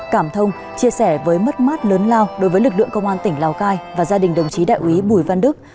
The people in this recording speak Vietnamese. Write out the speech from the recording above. cảm thông chia sẻ với mất mát lớn lao đối với lực lượng công an tỉnh lào cai và gia đình đồng chí đại quý bùi văn đức